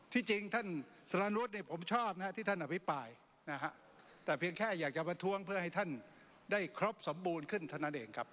ที่จริงท่านสนานุษย์ผมชอบนะฮะที่ท่านอภิปรายนะฮะแต่เพียงแค่อยากจะประท้วงเพื่อให้ท่านได้ครบสมบูรณ์ขึ้นเท่านั้นเองครับ